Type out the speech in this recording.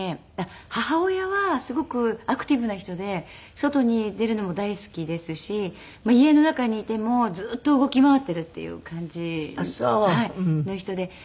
母親はすごくアクティブな人で外に出るのも大好きですし家の中にいてもずっと動き回っているっていう感じの人で。